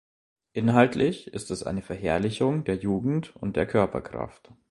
Inhaltlich ist es eine Verherrlichung der Jugend und der Körperkraft.